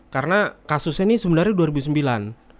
karena kasusnya ini sebenarnya dua ribu sembilan